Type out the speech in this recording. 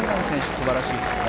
素晴らしいですね。